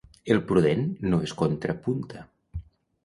El prudent no es contrapunta.